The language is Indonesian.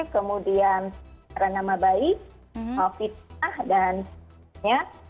kemudian renama baik mafisah dan sebagainya